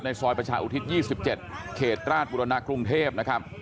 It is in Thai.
ซอยประชาอุทิศ๒๗เขตราชบุรณะกรุงเทพนะครับ